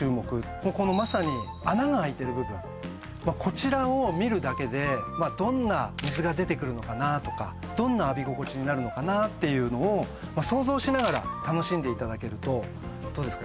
もうこのまさに穴があいてる部分こちらを見るだけでどんな水が出てくるのかなあとかどんな浴び心地になるのかなあっていうのを想像しながら楽しんでいただけるとどうですか？